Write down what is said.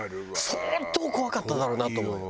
相当怖かっただろうなと思う。